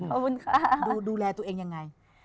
ขอบคุณค่ะดูแลตัวเองยังไง